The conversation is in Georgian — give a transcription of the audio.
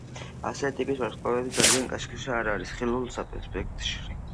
ასეთი ტიპის ვარსკვლავები ძალიან კაშკაშა არ არის ხილულ სპექტრში.